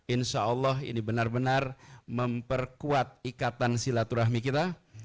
insya allah ini benar benar memperkuat ikatan silaturahmi kita